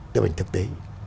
điều hành thực tế